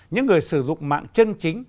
những người sử dụng mạng chân chính